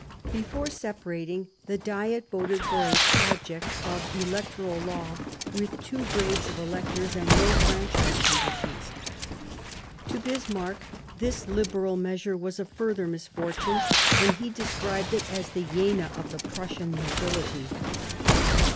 27 Bismarck Before separating, the Diet voted for a project of electoral law, with two grades of electors and no franchise conditions ; to Bismarck this liberal measure was a further misfortune, and he described it as " the Jena of the Prussian nobility."